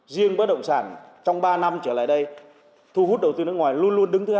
riêng bất động sản trong ba năm trở lại đây thu hút đầu tư nước ngoài luôn luôn đứng thứ hai